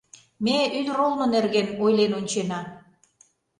Ме ӱдыр олно нерген ойлен ончена.